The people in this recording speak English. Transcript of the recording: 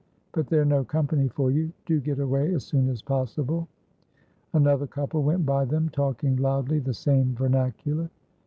But they're no company for you. Do get away as soon as possible." Another couple went by them talking loudly the same vernacular.